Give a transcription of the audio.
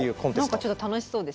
何かちょっと楽しそうです。